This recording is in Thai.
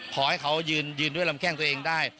ขอให้เขายืนด้วยลำแข้งตัวเองได้